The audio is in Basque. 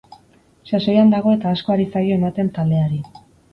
Sasoian dago eta asko ari zaio ematen taldeari.